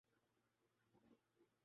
اس کے علاوہ کچھ نہیں۔